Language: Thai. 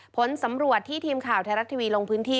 ผลสำรวจที่ทีมข่าวไทยรัฐทีวีลงพื้นที่